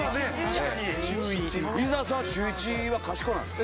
確かに伊沢さんは中１はかしこなんすか？